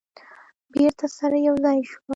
بیرته سره یو ځای شوه.